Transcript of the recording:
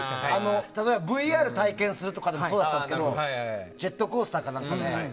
例えばＶＲ体験とかでもそうなんだけどジェットコースターか何かで。